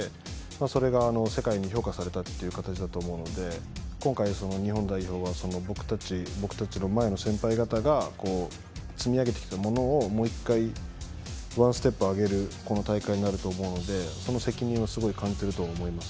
それが世界に評価されたという形だと思うので今回、日本代表は僕たちの前の先輩方が積み上げてきたものをもう１回ワンステップ上げる大会になると思うのでその責任をすごく感じていると思います。